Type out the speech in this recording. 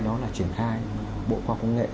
đó là triển khai bộ khoa công nghệ